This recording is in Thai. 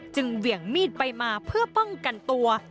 เหวี่ยงมีดไปมาเพื่อป้องกันตัว